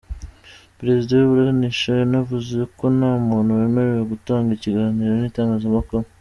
Perezida w’iburanisha yanavuze ko nta muntu wemerewe gutanga ikiganiro n’itangazamakuru.